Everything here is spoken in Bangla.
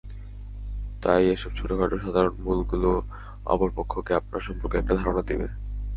তাই এসব ছোটখাটো সাধারণ ভুলগুলোও অপর পক্ষকে আপনার সম্পর্কে একটা ধারণা দেবে।